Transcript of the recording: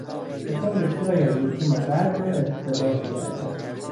ژاپن بسیاری از رسوم غرب را اقتباس کرده است.